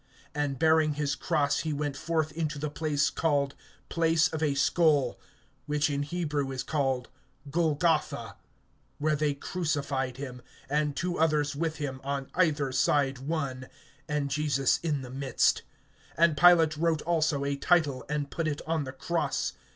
(17)And bearing his cross he went forth into the place called Place of a skull, which in Hebrew is called Golgotha; (18)where they crucified him, and two others with him, on either side one, and Jesus in the midst. (19)And Pilate wrote also a title, and put it on the cross.